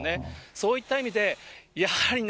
そういった意味で、やはりね、